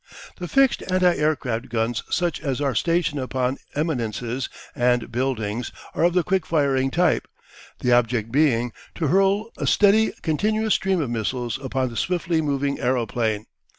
The fixed anti aircraft guns such as are stationed upon eminences and buildings are of the quick firing type, the object being to hurl a steady, continuous stream of missiles upon the swiftly moving aeroplane.